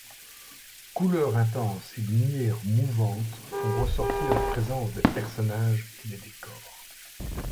Couleurs intenses et lumières mouvantes font ressortir la présence des personnages et des décors.